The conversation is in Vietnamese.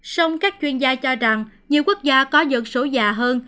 song các chuyên gia cho rằng nhiều quốc gia có dân số già hơn